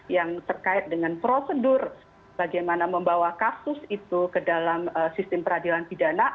yang terkait dengan prosedur bagaimana membawa kasus itu ke dalam sistem peradilan pidana